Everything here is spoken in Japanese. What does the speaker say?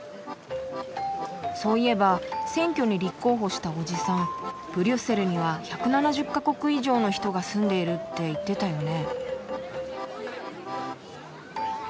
そういえば選挙に立候補したおじさんブリュッセルには１７０か国以上の人が住んでいるって言ってたよね。